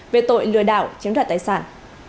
về tội lừa đảo chiếm đoạn tài sản